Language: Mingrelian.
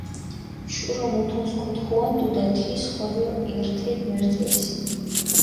შურო მუთუნს ქოთქუანდუდა, თის ხოლო ერთელ-მერთელს.